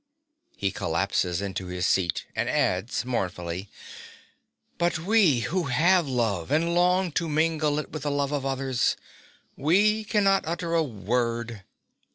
(He collapses into his seat, and adds, mournfully) But we, who have love, and long to mingle it with the love of others: we cannot utter a word.